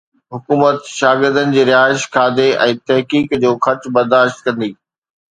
حڪومت شاگردن جي رهائش، کاڌي ۽ تحقيق جو خرچ برداشت ڪندي